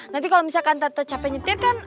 nanti kalau misalkan tetap capek nyetir kan